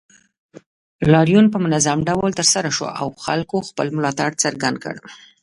لاریون په منظم ډول ترسره شو او خلکو خپل ملاتړ څرګند کړ